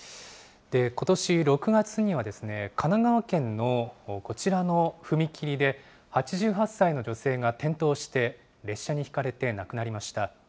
ことし６月には、神奈川県のこちらの踏切で、８８歳の女性が転倒して、列車にひかれて亡くなりました。